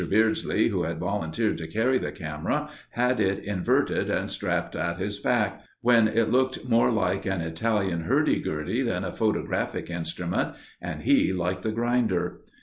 Beardsley, who had volunteered to carry the camera, had it inverted and strapped at his back, when it looked more like an Italian "hurdy gurdy" than a photographic instrument, and he like the "grinder."